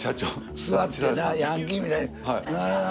座ってなヤンキーみたいにあぁ。